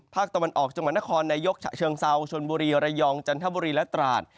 ภาคตะวันออกจังหวัดนครนายกฉะเชิงเซาชนบุรีระยองจันทบุรีและตราด